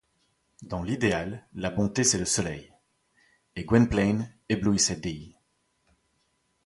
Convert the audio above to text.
Dans l’idéal, la bonté, c’est le soleil ; et Gwynplaine éblouissait Dea.